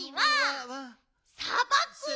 さばくの。